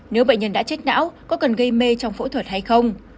nếu bệnh nhân đã chết não có cần gây mê trong phẫu thuật hay không